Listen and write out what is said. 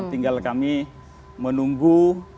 tinggal kami menunggu